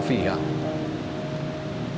kamu beli lagi